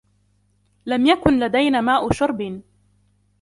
لم يكن لدينا ماء شرب.